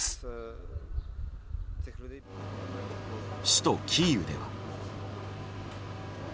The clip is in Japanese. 首都キーウでは。